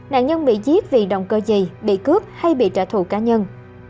nạn nhân bị giết vì động cơ gì bị cướp hay bị trả thù cá nhân